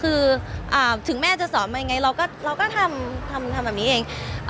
คือถึงแม่จะสอนมายังไงเราก็ทำแบบนี้เอง